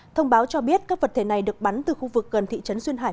thông báo cho biết các vật thể này được bắn từ khu vực gần thị trấn duyên hải